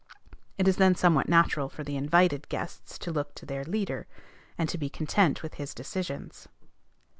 It is then somewhat natural for the invited guests to look to their leader, and to be content with his decisions.